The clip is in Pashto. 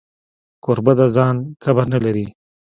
کوربه د ځان کبر نه لري.